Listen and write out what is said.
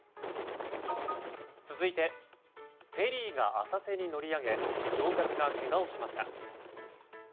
続いてフェリーが浅瀬に乗り上げ乗客がけがをしました。